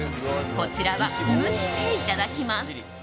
こちらは蒸していただきます。